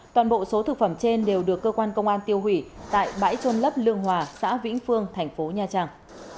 toàn bộ số thực phẩm trên đều được cơ quan công an tiêu hủy tại bãi trôn lấp lương hòa xã vĩnh phương thành phố nha trang